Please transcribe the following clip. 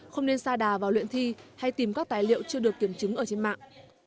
không nên xa đà vào luyện thi hay tìm các tài liệu chưa được kiểm chứng ở trên mạng